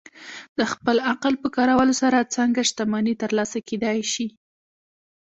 د خپل عقل په کارولو سره څنګه شتمني ترلاسه کېدای شي؟